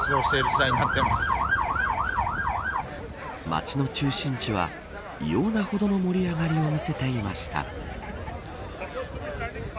街の中心地は異様なほどの盛り上がりを見せていました。